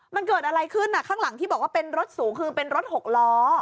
มันเกิดอะไรขึ้นข้างหลังที่บอกว่าเป็นรถสูงคือเป็นรถหกล้อ